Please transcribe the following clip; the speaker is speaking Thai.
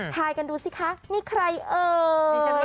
ทายกันดูสิคะนี่ใครเอ่ย